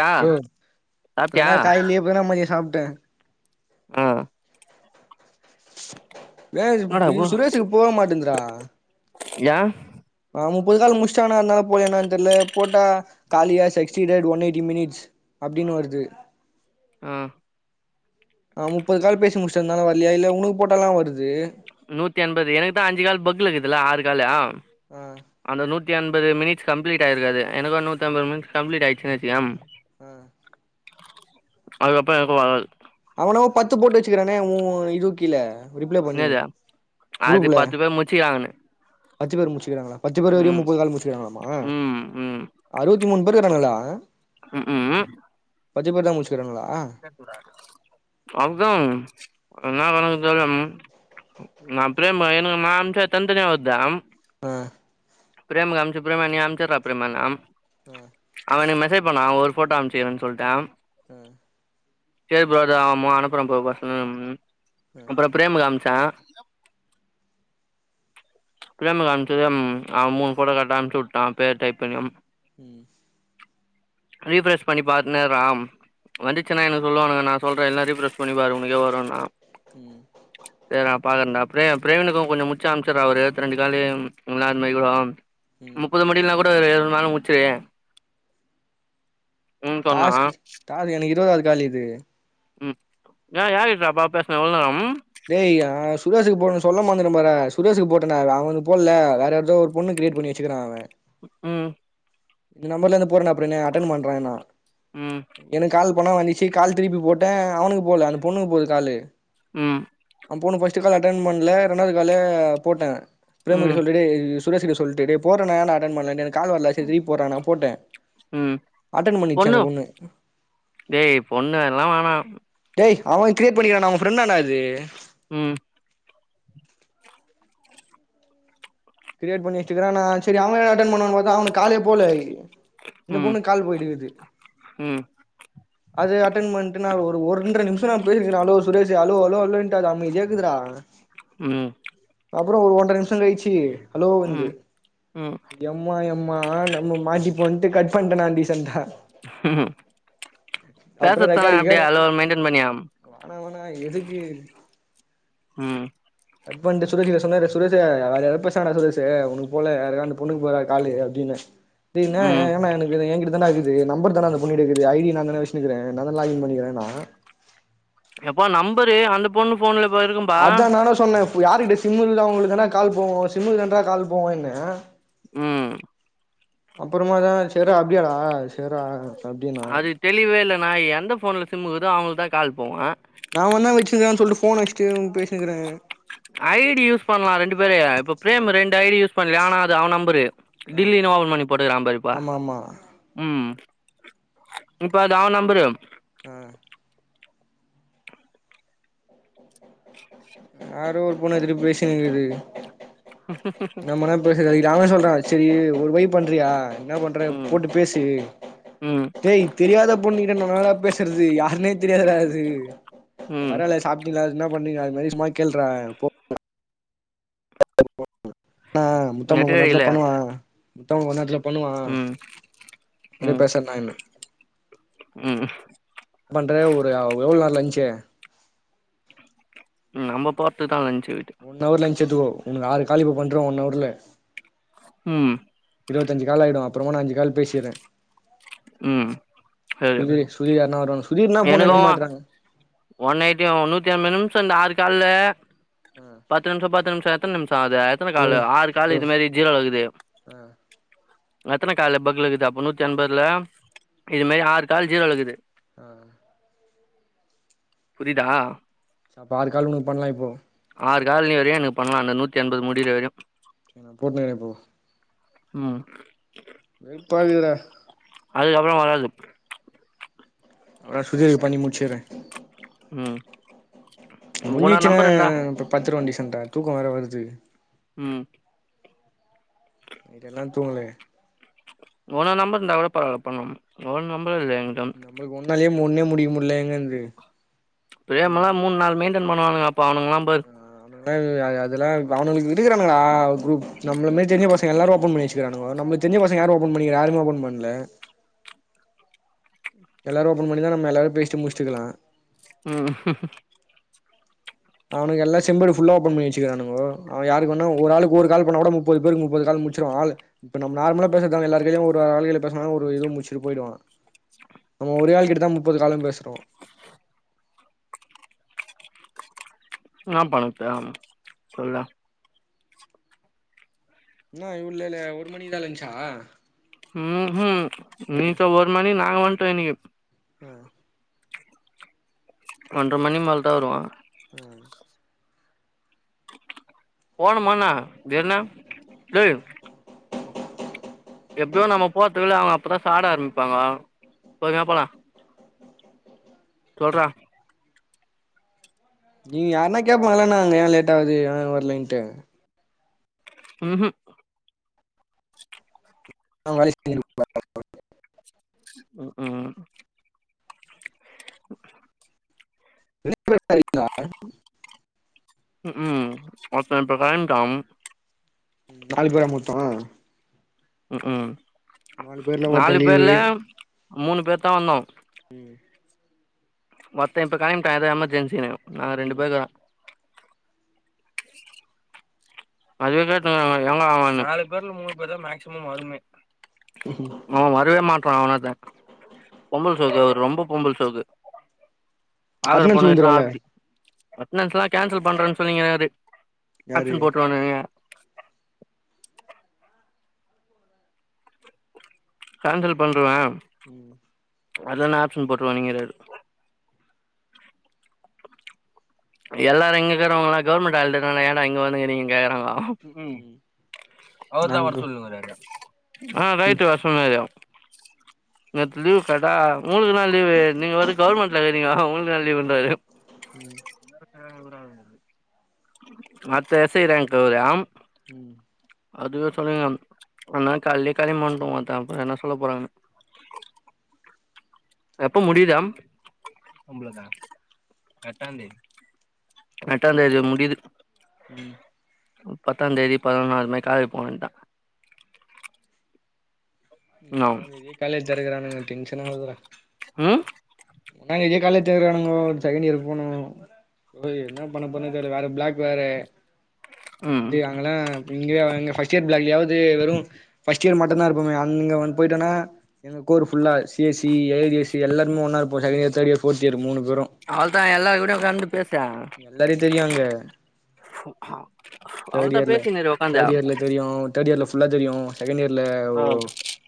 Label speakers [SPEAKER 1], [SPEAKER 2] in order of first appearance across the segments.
[SPEAKER 1] யா
[SPEAKER 2] ம் இப்ப
[SPEAKER 1] சாப்ட்டியா
[SPEAKER 2] தான் காலையில இப்போ தான் மதிய சாப்பிட்டேன்
[SPEAKER 1] ம்
[SPEAKER 2] ஏய்
[SPEAKER 1] என்னடா இவ்ளோ
[SPEAKER 2] சுரேஷுக்கு போக மாட்டேங்குதுடா
[SPEAKER 1] யா
[SPEAKER 2] ஆ முப்பது நாள்ல முடிச்சிட்டானா என்னா போல என்னானு தெரியல போட்டா காலியா எக்ஸ்சிடட் ஒன் எயிட்டி மினிட்ஸ் அப்டினு வருது
[SPEAKER 1] ஆ
[SPEAKER 2] ஆ முப்பது கால் பேசி முடிச்ட அதனால வரலையா இல்ல உனக்கு போட்டலா வருது
[SPEAKER 1] நூத்தி எண்பது எனக்கு தா அஞ்சு கால் பக்ல இக்குதுல்ல ஆறு காலு
[SPEAKER 2] ஆ
[SPEAKER 1] அந்த நூத்தி எண்பது மினிட்ஸ் கம்ப்ளீட் ஆயிருக்காது எனக்கு நூத்தி எண்பது மினிட்ஸ் கம்ப்ளீட் ஆயிருச்சுன் வச்சுக்ய
[SPEAKER 2] ஆ
[SPEAKER 1] அதுக்கப்புற எனக்கு வராது
[SPEAKER 2] அவனவ பத்து போட்டு வச்சுக்கறனே உ இதுக் கீழ ரிப்ளை பண்ணி
[SPEAKER 1] என்னது அது
[SPEAKER 2] குரூப்ல
[SPEAKER 1] பத்து பேர் முச்சிக்கிறாங்கன்னு
[SPEAKER 2] பத்து பேர் முடிச்சுக்றாங்ளா பத்து பேர் வரையு
[SPEAKER 1] ம்
[SPEAKER 2] முப்பது கால் முடிச்சுக்கறாங்களாமா
[SPEAKER 1] ம்
[SPEAKER 2] அறுவத்தி மூணு பேரு இருக்கானுங்களா
[SPEAKER 1] ம் ம்
[SPEAKER 2] பத்து பேரு தா முடிச்ருக்கானுங்ளா
[SPEAKER 1] அதா அதனால எனக்கு தெல நா அப்டியே [unintelligible] அனுப்ச்சா தனிதனியா வருது
[SPEAKER 2] ஆ
[SPEAKER 1] பிரேமுக்கு அனுப்ச்ச பிரேமு நீ அனுப்ச்சுருடா பிரேமானா
[SPEAKER 2] ஆ
[SPEAKER 1] அவ எனக்கு மெசேஜ் நா ஒரு ஃபோட்டோ அனுப்ச்சுக்கறன் சொல்ட்ட
[SPEAKER 2] ம்
[SPEAKER 1] சரி ப்ரோ அத அ அனுப்பற ப்ரோ [unintelligible] அப்பற பிரேமுக்கு அனுப்ச்ச பிரேமுக்கு அனுப்சதே அவ மூணு ஃபோட்டோ கேட்டா அனுப்ச்சி உட்ட அவ பேர் டைப் பண்ணி
[SPEAKER 2] ம்
[SPEAKER 1] ரீஃப்ரஷ் பண்ணி பாத்தனே இர்றா [unintelligible] சொல்வானுங்க நா சொல்ற இல்லனா ரீஃப்ரஷ் பண்ணி பாரு உனக்கே வருனா
[SPEAKER 2] ம்
[SPEAKER 1] சர்றா பாக்கறன்டா ப்ரேம் பிரவினுக்கு கொஞ்ச முடிச்சா அனுப்ச்ரா ஒரு இருவத்ரெண்டு காலு அந்தமாரி கோட
[SPEAKER 2] ம்
[SPEAKER 1] முப்பது முடிலனா கோட னு ஒரு ஏழு நாள்ல முடிச்சிரு
[SPEAKER 2] டாஸ்க் டாஸ்க் எனக்கு இருவதுதா காலிக்குது
[SPEAKER 1] ம் யா யாருகிட்றாப்பா பேசுன இவ்ள நேரம்
[SPEAKER 2] டேய் சுரேஷுக்கு போடனு சொல்ல மறந்துட்டம் பாரே சுரேஷுக்கு போட்டன் டா அவுனுக்கு போடல வேற யார்தோ ஒரு பொண்ணுக் கிரியேட் பண்ணி வச்சுருக்றா அவ
[SPEAKER 1] ம்
[SPEAKER 2] இந்த நம்பர்ல இருந்து போடறனா பிரேமு அட்டன் பண்றேன்னா
[SPEAKER 1] ம் ம்
[SPEAKER 2] எனக்கு கால் போனா வந்துச்சி கால் திருப்பி போட்ட அவுனுக்கு போல அந்த பொண்ணுக்கு போது காலு
[SPEAKER 1] ம்
[SPEAKER 2] அந்த பொண்ணு ஃபஸ்ட்டு கால் அட்டென் பண்ல ரெண்டாவது காலு போட்டே பிரேமுக்ட்ட
[SPEAKER 1] ம்
[SPEAKER 2] சொல்ட்டு டேய் சுரேஷ் கிட்ட சொல்ட்டு டேய் போடறன ஏன்டா அட்டன் பண்லன் எனக் கால் வல்ல சரி திருப்பி போடறானா போட்டே
[SPEAKER 1] ம்
[SPEAKER 2] அட்டன் பண்ணிச்சி அந்த பொண்ணு
[SPEAKER 1] ஏய் பொண்ணெல்லாம் வேணா
[SPEAKER 2] டேய் அவன் கிரியேட் பண்ணிக்கிறானா அவ ஃப்ரெண்டானா அது
[SPEAKER 1] ம்
[SPEAKER 2] கிரியேட் பண்ணி வச்சிருக்கா ஆன சேரி அவ அட்டன் பண்ணுவானு பாத்தா அவனுக்கு காலே போல ஹரி இந்த
[SPEAKER 1] ம்
[SPEAKER 2] பொண்ணுக்கு கால் போய்ட்டுருக்குது
[SPEAKER 1] ம்
[SPEAKER 2] அத அட்டன் பண்ட்டு நா ஒ ஒன்ற நிம்ஷ நா பேசிக்கிறே ஹலோ சுரேஷு ஹலோ ஹலோ ஹலோன்ட்டு அது அமைதியா இருக்குதுடா
[SPEAKER 1] ம்
[SPEAKER 2] அப்புற ஒரு ஒன்ற நிம்ஷ கழிச்சு ஹலோன்னுது
[SPEAKER 1] ம் ம்
[SPEAKER 2] எம்மா எம் மா நம்ம மாட்டி போன்ட்டு கட் பணட்ட நா ன்டா
[SPEAKER 1] ம்
[SPEAKER 2] அப்பற
[SPEAKER 1] பேசத்தானே
[SPEAKER 2] [unintelligible]
[SPEAKER 1] அப்படியே அளவு மெயின்டென் பண்ணியா
[SPEAKER 2] வேணா வேணா எதுக்கு
[SPEAKER 1] ம்
[SPEAKER 2] கட் பன்ட்டு சுரேஜுகிட சொன்னாரு சுரேஜு வேற யாரோ பேச்ராங்டா சுரேஜு உனுக்கு போல யாருக்கோ அந்த பொண்ணுக்கு போதா காலு அப்டீனு அப்டினா
[SPEAKER 1] ம்
[SPEAKER 2] [unintelligible] ஏன்கிட்டதான்டா இரு குது நம்பர் தாண்ணா அந்த பொண்ணுகிட்ட இருக்குது ஐடி நான்தாண்ணா வெஷ்னுகிற நான்தா லாகின் பண்ணிக்கிறேன்னா
[SPEAKER 1] ப்பா நம்பரு அந்த பொண்ணு ஃபோன்ல
[SPEAKER 2] அத்தா நானு சொன்ன இப் யாருகிட்ட சிம்மு இருக்குதோ அவுங்ளுக்தான்டா கால் போவோ சிம்முக்குதான்றா கால் போவோன்னு
[SPEAKER 1] ம்
[SPEAKER 2] அப்புறமாதா சேரா அப்டியடா சேரா
[SPEAKER 1] அது தெளிவே இல்ல நாயி எந்த ஃபோன்ல சிம்முகுதோ அவுங்ளுக்தா கால் போவோ
[SPEAKER 2] நா அவன்தா வெச்சின்குறான் சொல்ட்டு ஃபோனு வெஷ்ட்டு பேசினுகிற
[SPEAKER 1] ஐடி யூஸ் பண்லா ரெண்டு பேரு இப்ப பிரேம்
[SPEAKER 2] ஆ
[SPEAKER 1] ரெண்டு ஐடி யூஸ் பண்லியா ஆனா அது அவ நம்பரு
[SPEAKER 2] ஆ
[SPEAKER 1] டில்லி இன்னவோ ஒபன் பண்ணி போட்டுக்கிறாம்பாரிப்பா
[SPEAKER 2] ஆமா ஆமா
[SPEAKER 1] ம் இப்ப அது அவ நம்பரு
[SPEAKER 2] ஆ யாரோ ஒரு பொண்ணு எத்துடு பேசினுகுது நம்பனா பேசுற வழி இல்ல அவ சொல்றே செரி ஒரு வழி பண்றியா இன்னா பண்ற
[SPEAKER 1] ம்
[SPEAKER 2] போட்டு பேசு
[SPEAKER 1] ம்
[SPEAKER 2] டேய் தெரியாத பொண்ணுகிட் ட நா இன்னாடா பேசுற்து யாருனே தெரியாதுடா அது
[SPEAKER 1] ம்
[SPEAKER 2] பரவால்ல சாப்டிங்ளா இன்னா பண்ணீங்க அது மாரி சும்மா கேள்ற போ [inaudible] அ அ முத்தமிழ்
[SPEAKER 1] நெட்டு
[SPEAKER 2] கொன்நேத்துல
[SPEAKER 1] கடையில
[SPEAKER 2] பண்ணுவா அவ முத்தமிழ் கொன்நேத்துல பண்ணுவா
[SPEAKER 1] ம்
[SPEAKER 2] ஒடனே
[SPEAKER 1] ம்
[SPEAKER 2] பேசற்னாயின்ன
[SPEAKER 1] ம்
[SPEAKER 2] பண்ற ஒரு எவ்ள்நேர் லன்ச்சு
[SPEAKER 1] ம் நம்ப பாத்து தா லன்ச் வீட்டு
[SPEAKER 2] ஒன் அவர் லன்ச் எத்துக்கோ உனுக் ஆறு கால் இப்ப பண்ற ஒன் அவுர்ல
[SPEAKER 1] ம்
[SPEAKER 2] இருவத்தஞ்சி காலாய்டோ அப்புறமா நா அஞ்சி கால் பேசிற்றே
[SPEAKER 1] ம் சரி
[SPEAKER 2] சுதிரு சுதீர் யார்னா வருவானுங் சுதீர்னா ஃபோன் எடுக்க
[SPEAKER 1] எனக்கும்
[SPEAKER 2] மாட்டறாங்க
[SPEAKER 1] ஒன் எய்டியு நூத்தி அம்பத் நிம்ஷோ இந்த ஆறு கால்ல
[SPEAKER 2] ஆ
[SPEAKER 1] பத்து நிம்ஷோ பத்து நிம்ஷோ எத்தன் நிம்ஷ் தாவ்து எத்தன காலு
[SPEAKER 2] அறுவது
[SPEAKER 1] ஆறு காலு
[SPEAKER 2] அறுவ
[SPEAKER 1] இது மாரி ஜீரோ ஆகுது
[SPEAKER 2] ஆ
[SPEAKER 1] எத்தன காலு பக்லகுது அப்போ நூத்தி எண்பத்ல இது மாரி ஆறு கால் ஜீரோலகிது
[SPEAKER 2] அ
[SPEAKER 1] புரிதா
[SPEAKER 2] செ அப்ப ஆறு கால் உனுக்கு பண்லா இப்போ
[SPEAKER 1] ஆறு கால்னி வெரையு எனுக் பண்லா அந்த நூத்தி எண்பது முடிர வெரயு
[SPEAKER 2] செ நா போட்னுகிற இப்போ
[SPEAKER 1] ம்
[SPEAKER 2] வெறுப்பாகுதுடா
[SPEAKER 1] அதுக்கப்பறோ வராது
[SPEAKER 2] நா சுதிர்கு பண்ணி முச்சிற்ற
[SPEAKER 1] ம் உன்னோட
[SPEAKER 2] முஞ்சிச்சுனா
[SPEAKER 1] நம்பர் இருந்தா
[SPEAKER 2] இப்ப பத்துருவ டீசன்டா தூக்கோ வேற வர்து
[SPEAKER 1] ம்
[SPEAKER 2] நைட்டெல்லா தூங்கல
[SPEAKER 1] உன்னோர் நம்பர் இர்ந்தா கூட பரவால பண்லாம் [unintelligible] நம்பர் இல்ல ஏங்கிட்ட
[SPEAKER 2] நம்மளுக்கு ஒன்னாலயே ஒன்னே முடிக்க முட்ல எங்கெந்து
[SPEAKER 1] ப்ரேமெல்லா மூணு நாள் மெய்ன்டென் பண்ணுவானுங்க அப்போ அவனுங்லா பார்
[SPEAKER 2] [unintelligible] அதெல்லா இப்ப அவுனுங்ளுக் இருக்குறானுங்டா ஒ குரூப் நம்ள மாரி தெரிஞ்ச பசங்க எல்லாரு ஓப்பன் பண்ணி வெச்சிகிறானுங்கோ நம் ளுக் தெஞ்ச பசங்க யாரு ஓபன் பண்ணிக்கிறா யாருமே ஓபன் பண்ல எல்லாரு ஓபன் பண்ணிந்தா நம்ம எல்லாரு பேஸ்டு முஷ்ட்ருக்கலா
[SPEAKER 1] ம்
[SPEAKER 2] அவுனுங் எல்லா செம்படு ஃபுல்ல ஓபன் பண்ணி வெச்சிகிறானுங்கோ அவ யாருக்குவோனா ஒரு ஆளுக்கு ஒரு கால் பண்ணா கூட முப்பது பேருக்கு முப்பது கால் முட்ச்சிருவா ஆளு இப்ப நம் நார்மலா பேசர்தால எல்லார் கைலியு ஒரு ஆளு கைல பேசுனாலு ஒரு இது முஷ்ட்டு போய்டுவா நம்ம ஒரே ஆள் கிட்ட தா முப்பது காலு பேசுறோ
[SPEAKER 1] நான் [unintelligible] ஆ சொல்ல
[SPEAKER 2] இன்ன இவளோ லேட்டு ஒரு மணிக்குதான் லான்சா
[SPEAKER 1] உம் உம் நேத்து ஒருமணி நாங்க வன்டோம் இன்னைக்கு
[SPEAKER 2] [unintelligible]
[SPEAKER 1] ஒன்ற மணி மேல தான் வருவான்
[SPEAKER 2] ஆ
[SPEAKER 1] போன் பன்னி செரினா செய் எப்படியும் நம்ம போற்துக்குள்ள அவங்க அப்பதான் சாப்ட ஆரம்பிப்பாங்கோ பொறுமையா போலாம் சொல்றா
[SPEAKER 2] நீங்க யாருன்னா கேட்பாங்களான்னா அங்க ஏன் லேட் ஆவுது ஏன் வர்லன்ட்டு
[SPEAKER 1] ஹூ ஹும்
[SPEAKER 2] அவங்க வேலைய [inaudible]
[SPEAKER 1] உ உஹம்
[SPEAKER 2] [inaudible]
[SPEAKER 1] ஊ‌ உம் ஒருத்தன் இப்போ வரண்ட
[SPEAKER 2] நாலு பேரா மொத்தம்
[SPEAKER 1] உ உம்
[SPEAKER 2] ஒருத்த
[SPEAKER 1] நாலு பேர்ல
[SPEAKER 2] லீவு
[SPEAKER 1] மூணு பேர்தான் வந்தோம்
[SPEAKER 2] உம்
[SPEAKER 1] ஒருத்தன் இப்ப கெளம்பிட்டான் ஏதோ எமர்ஜென்சின்னு நாங்க ரெண்டு
[SPEAKER 2] ம்
[SPEAKER 1] பேரர்தான் அதுவே கேட்டாங்க எங்க அவனு நாலு பேருல மூணு பேர் தான் மேக்சிமம் வருமே அவன் வரவே மாட்ரான் வினோத்து பொம்பல சோக்கு அவ்ரு ரொம்ப பொம்பல சோக்கு [inaudible] பாக்கர
[SPEAKER 2] அட்னன்ஸ்
[SPEAKER 1] பொண்ணு கிட்டலாம்
[SPEAKER 2] விழுந்துருல்ல
[SPEAKER 1] அப்படி அட்னன்ஸ்லாம் கேன்சல் பண்றன்னு சொல்லிகனாறு
[SPEAKER 2] யாரு
[SPEAKER 1] உஹீம் கேன்சல் பண்றுவன்
[SPEAKER 2] உம்
[SPEAKER 1] வரலனா ஆப்சன் போட்டுருவன் நீங்க [unintelligible] எல்லாரும் இங்க இருக்கறவங்களாம் கவர்மெண்ட் ஹா [unintelligible] ஏன்டா இங்க வந்து இருக்கீங்கன்னு கேக்குறாங்க உம்
[SPEAKER 2] ம்
[SPEAKER 1] [inaudible] அவர் தான் வர
[SPEAKER 2] நாங்க
[SPEAKER 1] சொல்லுங்கராறு ஆன்
[SPEAKER 2] ம்
[SPEAKER 1] ரைட்டு [inaudible] வர சொல்லுங்கராறு [inaudible] நேத்து லீவு [unintelligible] [unintelligible] உங்களுக்குதான் லீவு நீங்க வந்து கவர்மெண்ட்ல இருக்கிறீங்க உங்களுக்குதான் லீவு [unintelligible] [inaudible] [inaudible] மத்த எஸ்ஐ ரேங்க் விவரம்
[SPEAKER 2] உம்
[SPEAKER 1] அதுவே சொல்லுங்க [inaudible] ஆனா கால்லே கெளம்பி வந்துடுவோம் தான் அப்புறம் ஏதாவதுசொல்ல போறாங்கனு
[SPEAKER 2] [inaudible]
[SPEAKER 1] [inaudible] எப்ப முடியுதோ [inaudible] அவ்வளவுதான் [inaudible] [unintelligible] கட்டாந்தேதி [inaudible] எட்டான் தேதி முடியுது
[SPEAKER 2] ம்
[SPEAKER 1] [inaudible] பத்தான் தேதி பதனொன்னு காது போனதுதான் [inaudible]
[SPEAKER 2] [inaudible] ஒன்னா தேதியே காலேஜ் தொறக்குறான்னுங்க டென்ஷன் ஆவுதுடா
[SPEAKER 1] ஹம் [unintelligible]
[SPEAKER 2] ஒன்னா தேதியே காலேஜ் தெறக்கறானுங்கோ செகண்ட் இயர் போனும் ஓய் என்ன பண்ண போறனே தெரியல வேற பிளாக் வேற
[SPEAKER 1] ம்
[SPEAKER 2] அங்கிருந்து அங்கலாம் [unintelligible] கீழ மட்டும் தான் இருப்போமே அங்க போயிட்டோனா எங்க கோர்புல்லா சிஎஸ்சி ஏடிஏஸ்சி எல்லாருமே ஒன்னா இருப்போம் second year third year fourth year மூணுமே ஒண்ணா
[SPEAKER 1] அவ்தா எல்லாம் விட க
[SPEAKER 2] எல்லாரையும் தெரியாங்க தேர்ட்
[SPEAKER 1] அவள்தா
[SPEAKER 2] இயர்ல
[SPEAKER 1] பேசினுரு உக்காந்து
[SPEAKER 2] தேர்ட் இயர்ல தெரியும் தேர்ட் இயர் ஃபுல்லா தெரியும் செகண்ட் இயர்ல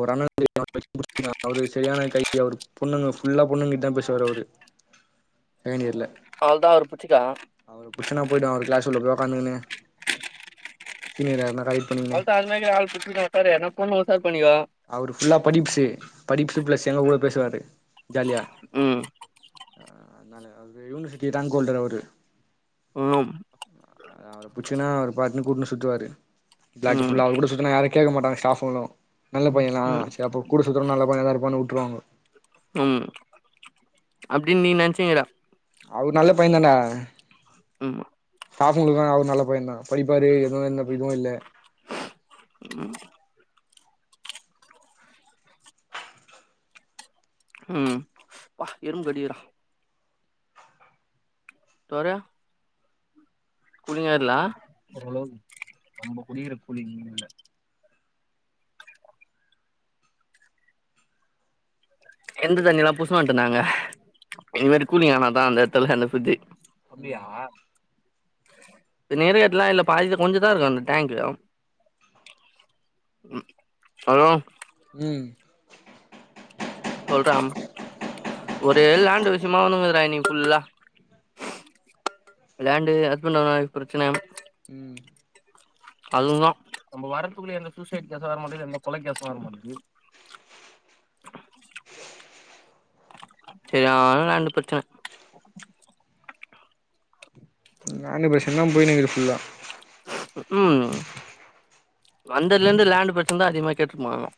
[SPEAKER 2] ஒரு அண்ணனா அவரு சரியான கை அவர் பொண்ணுங்க ஃபுல்லா பொண்ணுங்கிட்டு தான் பேசுவாரு அவரு செகண்ட் இயர்ல
[SPEAKER 1] அவ்ளதா அவர புட்சிக்க
[SPEAKER 2] புஷ்ஷனா போய்டு அவரு கிளாஸ் உள்ள போய் உக்காந்துகினு சீனியர் யார்னா
[SPEAKER 1] அவ்ளதா அது மாரி ஆள் புட்சிகின்னு உக்காரு எதுனா பொண்ணு உஷார் பண்ணிகோ
[SPEAKER 2] அவரு ஃபுல்லா படிப்ஸ்சு படிப்ஸ் பிளஸ் எங்க கூட பேசுவாரு ஜாலியா
[SPEAKER 1] ம்
[SPEAKER 2] அதனால வந்து யூனிவர்சிட்டி ரேங்க் ஹோல்டர் அவரு
[SPEAKER 1] ம்
[SPEAKER 2] அதா அவர புட்ச்சின்னா அவரு பாட்னு கூட்டுனு சுத்துவாரு ப்ளாக்
[SPEAKER 1] ம்
[SPEAKER 2] ஃபுல்லா அவரு கூட சுத்துனா யாரு கேக்கமாட்டங்க ஸ்டாஃப்ங்களு நல்ல பையனா
[SPEAKER 1] ம்
[SPEAKER 2] சேரி அப்ப கூட சுத்துறவனு நல்ல பையனாதா இருப்பான்னு வுட்டுருவாங்க
[SPEAKER 1] அப்டினு நீ நெனச்சிங்ற
[SPEAKER 2] அவரு நல்ல பையந்தாண்டா
[SPEAKER 1] ஆமா
[SPEAKER 2] ஸ்டாஃப்ங்களுக்கு அவரு நல்ல பையந்தா படிப்பாரு எதுவு எந்த இதுவு இல்ல
[SPEAKER 1] ம் ப்பா எறும்பு கடிக்குதுடா தொற கூலிங்கா இல்ல இருந்த தண்ணியிலா புடிச்சினு வந்துட்டோ நாங்க இனிமேட்டு கூலிங்கானாதா அந்த எடத்துல அந்த பிரிட்ஜ்
[SPEAKER 2] ம்
[SPEAKER 1] அப்டியா இது நேர்கட்லா இல்ல பாதி கொஞ்சந்தா இருக்கு அந்த டேங்க்கு ம் ஹலோ
[SPEAKER 2] ம்
[SPEAKER 1] சொல்றா ஒரு லேண்ட் விஷ்யமா வந்துனுயிருக்குதுறா இன்னிக்கி ஃபுல்லா லண்ட்டு ஹஸ்பண்ட் அண்ட் ஒய்ஃப் பிரச்சன
[SPEAKER 2] ம்
[SPEAKER 1] அதுந்தா நம்ப வரத்துக்குள்ள எந்த சூசைட் கேஸ்சு வர மாட்டிங்குது எந்த கொல கேஸ்சு வர மாட்டிங்குது செரியான லேண்ட் பிரச்சன
[SPEAKER 2] லேண்ட்டு பிரச்சனதா போய்னுருக்குது ஃபுல்லா
[SPEAKER 1] ம் வந்ததுல இருந்து லேண்டு் பிரச்சனதா அதிகமா கேட்டுருப்பாங்க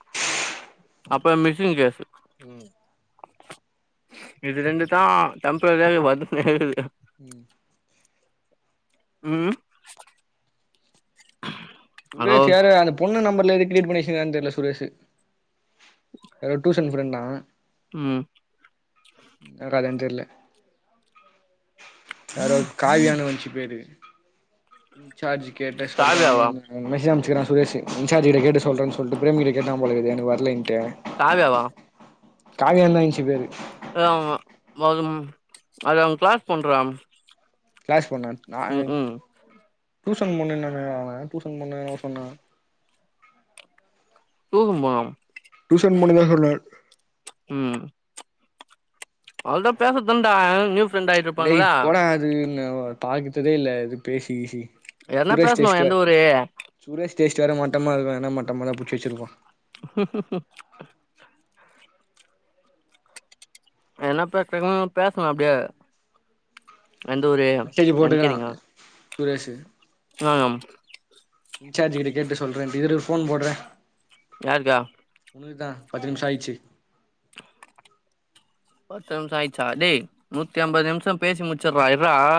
[SPEAKER 1] அப்பற மிஸ்ஸிங் கேஸ் இது ரெண்டுதா டெம்ப்ரவரியாவே வந்துனே இருக்கு ம் ஹலோ
[SPEAKER 2] சுரேஷ் யாரு அந்த பொண்ணு நம்பர்ல எதுக்கு கிரியேட் பண்ணிவச்சிருக்கான்னு தெரில சுரேஷ் யாரோ டூஷன் ஃப்ரெண்டா
[SPEAKER 1] ம்
[SPEAKER 2] என்ன கதன்னு தெர்ல யாரோ காவியானு வந்துச்சி பேரு இன்சார்ஜ் கேட்டு
[SPEAKER 1] காவ்யாவா
[SPEAKER 2] சொல்றான்னு மெசேஜ் அம்சிக்கிறா சுரேஷ் இஞ்சர்ஜ் கிட்ட கேட்டு சொல்றனு சொல்லிட்டு பிரேம் கிட்ட கேட்டா போலகுது எனக்கு வரலண்ட்டு
[SPEAKER 1] காவியா வா
[SPEAKER 2] கவியானுதா இருஞ்சி பேரு
[SPEAKER 1] எங்க அது அவங்க கிளாஸ் பொண்ணுரா
[SPEAKER 2] கிளாஸ் பொண்ணா
[SPEAKER 1] ம் ம்
[SPEAKER 2] டூஷன் பொண்ணுன்னானே அவ டூஷன் பொண்ணு என்வோ சொன்னா
[SPEAKER 1] டூஷன் பெண்ணா
[SPEAKER 2] டூஷன் பொண்ணுதா சொன்னா
[SPEAKER 1] ம் அவ்ளதா பேசற்தாண்டா
[SPEAKER 2] டேய் போட அது நா பாத்ததே இல்ல அது பேசி கிசி
[SPEAKER 1] எதனா
[SPEAKER 2] சுரேஷ்
[SPEAKER 1] பேசணு
[SPEAKER 2] டேஸ்ட் வே
[SPEAKER 1] எந்த ஒரு
[SPEAKER 2] சுரேஷ்டேஸ்ட் வேற மட்டமா வேணா மட்ட மா தான் புச்சி வச்சிருப்பா
[SPEAKER 1] [unintelligible] என்ன பேறக்க பேசலாம் அப்படியே எந்தஊரு எனங்க கேறீங்க
[SPEAKER 2] சுரேஷ்சு
[SPEAKER 1] ஆம்
[SPEAKER 2] இன்சார்ஜ் கிட்ட கேட்டு சொல்றேன்ட்டு இரு போன் போடுறே
[SPEAKER 1] யாருக்கா
[SPEAKER 2] உணுக்குதா பத்து நிமிஷம் ஆயிச்சு
[SPEAKER 1] பத்து நிமிஷம் ஆயிச்சா டே நூத்தி அம்பது நிமிஷம் பேசி முச்டுறா இர்ரா